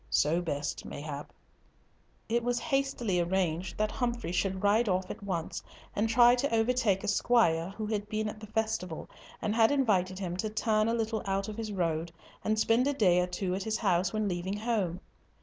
So best, mayhap." It was hastily arranged that Humfrey should ride off at once, and try to overtake a squire who had been at the festival, and had invited him to turn a little out of his road and spend a day or two at his house when leaving home.